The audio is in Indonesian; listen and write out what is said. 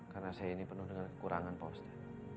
karena saya ini penuh dengan kekurangan post it